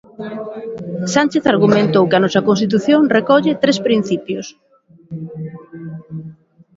Sánchez argumentou que a nosa Constitución recolle tres principios.